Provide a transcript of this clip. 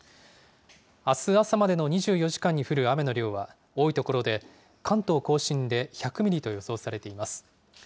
あす朝までの２４時間に降る雨の量は、多い所で関東甲信で１００ミリと予想されています。